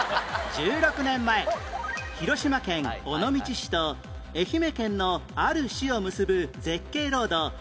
１６年前広島県尾道市と愛媛県のある市を結ぶ絶景ロード